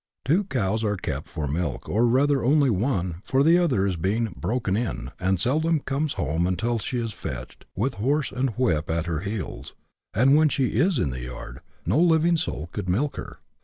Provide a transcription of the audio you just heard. Two cows are kept for milk, or rather only one, for the other is being "broken in," and seldom comes home until she is fetched with horse and whip at her heels, and when she is in the yard no living soul could milk her.